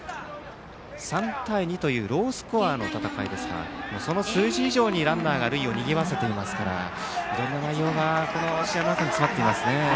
３対２というロースコアの戦いですがその数字以上にランナーが塁をにぎわせていますからいろんな内容がこの試合の中に詰まっていますね。